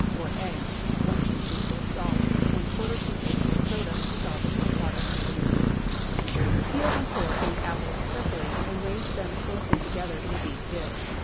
4 eggs. 1 teaspoonful salt. ¼ teaspoonful soda, dissolved in hot water. Peel and core eight apples carefully, and range them closely together in a deep dish.